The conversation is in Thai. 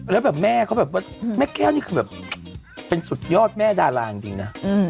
แล้วแบบแม่เขาแบบว่าแม่แก้วนี่คือแบบเป็นสุดยอดแม่ดาราจริงนะ